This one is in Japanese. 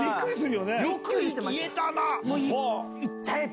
よく言えたなぁ！